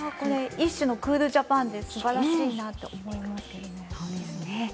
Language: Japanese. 一種のクールジャパンですばらしいなと思います。